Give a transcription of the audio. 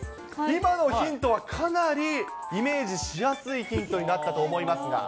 今のヒントはかなり、イメージしやすいヒントになったと思いますが。